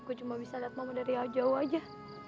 gue cuma bisa lihat mama dari jauh jauh aja